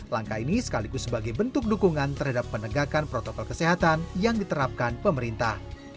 langkah ini sekaligus sebagai bentuk dukungan terhadap penegakan protokol kesehatan yang diterapkan pemerintah